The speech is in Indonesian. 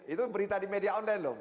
itu berita di media online loh